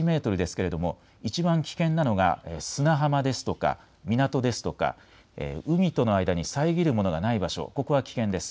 けれどもいちばん危険なのが砂浜ですとか港ですとか海との間に遮るものがない場所、ここは危険です。